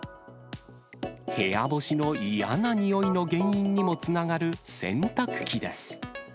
部屋干しの嫌な臭いの原因にもつながる、洗濯機です。